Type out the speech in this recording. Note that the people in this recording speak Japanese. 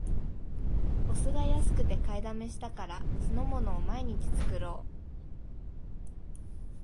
お酢が安くて買いだめしたから、酢の物を毎日作ろう